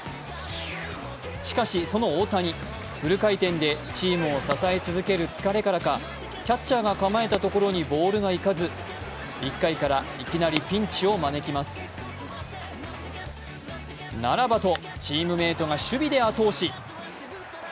しかし、その大谷、フル回転でチームを支え続ける疲れからかキャッチャーが構えたところにボールが行かず、１回からいきなりピンチを招きますならばとチームメートが守備で後押し。